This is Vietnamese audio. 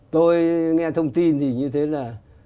tôi nghe thông tin thì như thế là